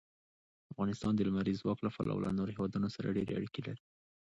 افغانستان د لمریز ځواک له پلوه له نورو هېوادونو سره ډېرې اړیکې لري.